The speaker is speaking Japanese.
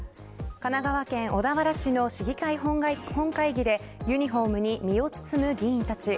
神奈川県小田原市の市議会本会議でユニホームに身を包む議員たち。